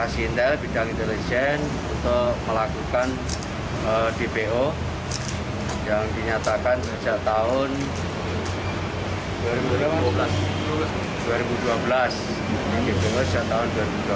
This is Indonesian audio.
sejak tahun dua ribu dua belas